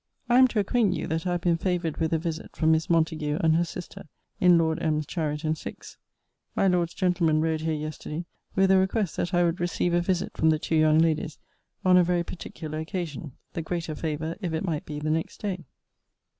I am to acquaint you, that I have been favoured with a visit from Miss Montague and her sister, in Lord M.'s chariot and six. My Lord's gentleman rode here yesterday, with a request that I would receive a visit from the two young ladies, on a very particular occasion; the greater favour if it might be the next day.